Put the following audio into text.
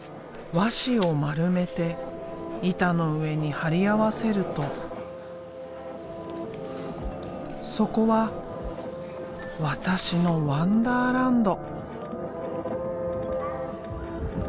和紙を丸めて板の上に貼り合わせるとそこは私のワンダーランド。